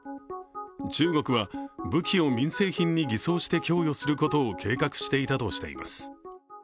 中国は武器を民生品に偽装して供与することを計画していたとしています。